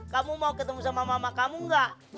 kamu mau ketemu sama mama kamu gak